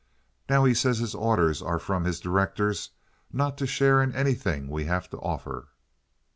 Now he says his orders are from his directors not to share in anything we have to offer.